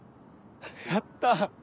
やった！